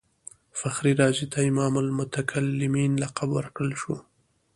فخر رازي ته امام المتکلمین لقب ورکړل شو.